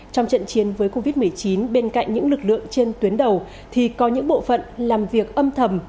trong trận chiến với covid một mươi chín bên cạnh những lực lượng trên tuyến đầu thì có những bộ phận làm việc âm thầm